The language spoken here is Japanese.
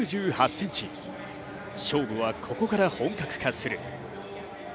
勝負はここから本格化する。